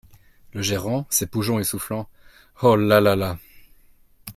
Le Gérant, s’épongeant et soufflant. — Oh ! là là là !